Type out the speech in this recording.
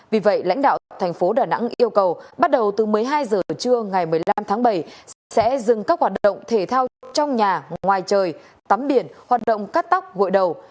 vì vậy lãnh đạo thành phố đà nẵng yêu cầu bắt đầu từ một mươi hai h trưa ngày một mươi năm tháng bảy sẽ dừng các hoạt động thể thao trong nhà ngoài trời tắm biển hoạt động cắt tóc gội đầu